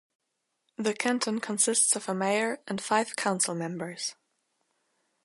The Canton consists of a mayor and five council members.